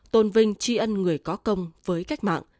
tôn vinh tri ân người có công với cách mạng